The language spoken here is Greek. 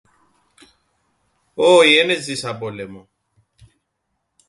Όι εν έζησα πόλεμον.